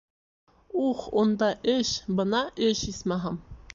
Ух, унда эш, бына эш, исмаһам!